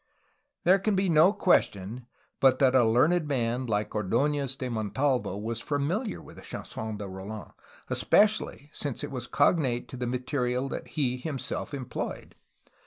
There can be no question but that a learned man like Ord6nez de Montalvo was famihar with the Chanson de Roland, especially since it was cognate to the material that he himself employed.